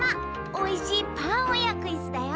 おいしいパンをやくイスだよ。